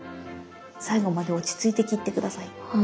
最後まで落ち着いて切って下さい。